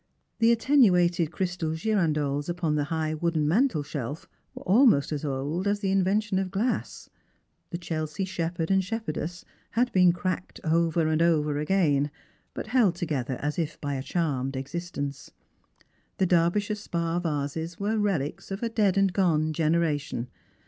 The attenuated crystal girandoles upon the high wooden mantelshelf were almost as old as the invention of glass ; the Chelsea shepherd and shep herdess had been cracked over and over again, but held together as if by a charmed existence. The Derbyshire spa vases were relics of a dead and gone generation.